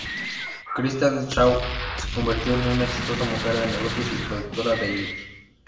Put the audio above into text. Christian Shaw se convirtió en una exitosa mujer de negocios y productora de hilos.